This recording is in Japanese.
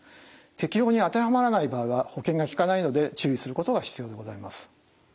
適応に当てはまらない場合は保険がきかないので注意することが必要でございます。